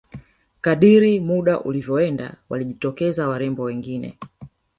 kadiri muda ulivyoenda walijitokeza warembo wengine